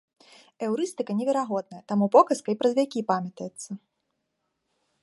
Эўрыстыка неверагодная, таму показка і праз вякі памятаецца.